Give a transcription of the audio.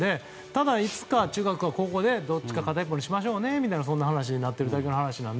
ただ、いつか中学か高校でどっちかにしましょうねという話になってるだけで。